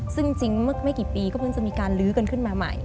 ซึ่งแม่กี่ปีก็จะมีการลื้อกันขึ้นมาใหม่